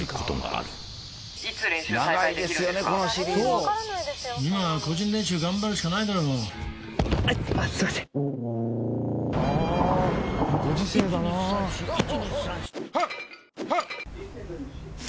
「あっ！」